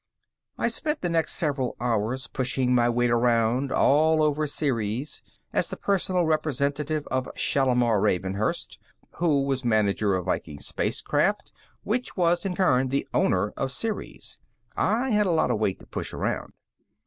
I spent the next several hours pushing my weight around all over Ceres. As the personal representative of Shalimar Ravenhurst, who was manager of Viking Spacecraft, which was, in turn, the owner of Ceres, I had a lot of weight to push around.